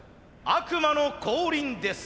悪魔の降臨です！